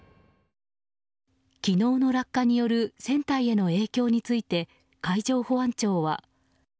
昨日の落下による船体への影響について海上保安庁は。